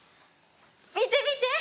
見て見て！